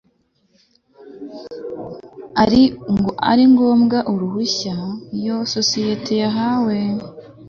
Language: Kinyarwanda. ari ngombwako uruhushya iyo sosiyete yahawe